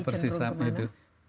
ya persis sama itu